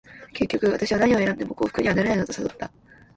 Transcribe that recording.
結局、私は何を選んでも幸福にはなれないのだと悟った。